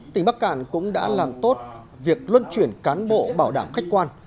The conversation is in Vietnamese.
tỉnh bắc cạn cũng đã làm tốt việc luân chuyển cán bộ bảo đảm khách quan